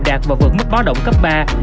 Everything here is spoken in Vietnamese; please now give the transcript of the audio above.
đạt vào vực mức bó động cấp ba